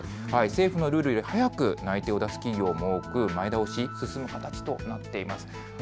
政府のルールよりも早く内定を出す企業も多く前倒し、進む形となっています。